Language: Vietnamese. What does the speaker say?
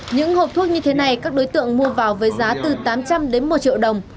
những hộp thuốc như thế này các đối tượng mua vào với giá từ tám trăm linh đến một triệu đồng